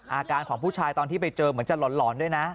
อาการของผู้ชายตอนที่ไปเจอเหมือนจะหลอนด้วยนะ